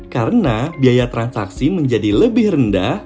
karena biaya transaksi menjadi lebih rendah